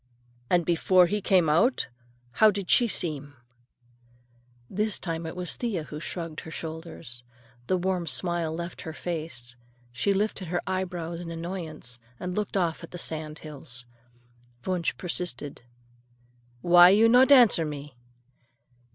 "And before he came out, how did she seem?" This time it was Thea who shrugged her shoulders. The warm smile left her face. She lifted her eyebrows in annoyance and looked off at the sand hills. Wunsch persisted. "Why you not answer me?"